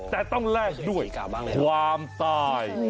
แต่ต้องแลกด้วยความตาย